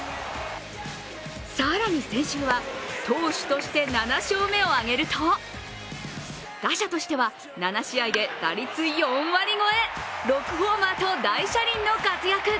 更に、先週は投手として７勝目をあげると打者としては７試合で打率４割超え６ホーマーと大車輪の活躍。